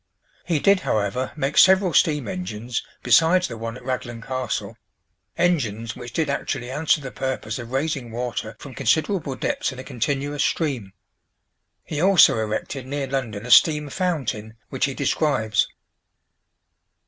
He did, however, make several steam engines besides the one at Raglan Castle; engines which did actually answer the purpose of raising water from considerable depths in a continuous stream. He also erected near London a steam fountain, which he describes.